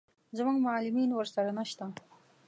زموږ معلمین ورسره نه شته.